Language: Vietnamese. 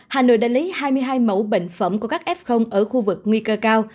hà nội đã lấy hai mươi hai mẫu bệnh phẩm của các f ở khu vực nguy cơ cao